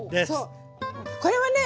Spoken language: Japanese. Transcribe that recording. これはね